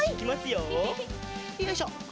よいしょ！